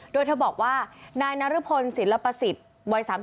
โดยเธอบอกว่านายนารพลศิลปศิลปศิษย์